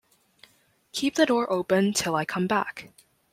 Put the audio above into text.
Keep the door open till I come back.